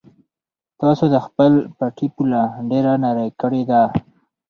تاسو د خپل پټي پوله ډېره نرۍ کړې ده.